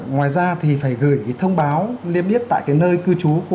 ngoài ra thì phải gửi cái thông báo liêm yết tại cái nơi cư trú của cá nhân